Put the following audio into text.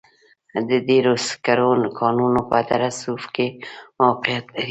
د ډبرو سکرو کانونه په دره صوف کې موقعیت لري.